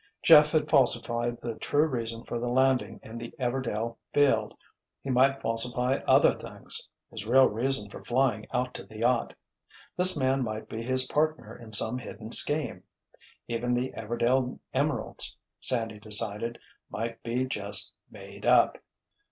Jeff had falsified the true reason for the landing in the Everdail field. He might falsify other things—his real reason for flying out to the yacht. This man might be his partner in some hidden scheme. Even the Everdail Emeralds, Sandy decided, might be just "made up."